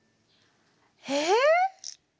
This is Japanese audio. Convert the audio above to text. えっ？